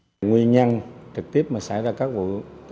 câu hỏi cuối cùng đến quốc gia quân quân á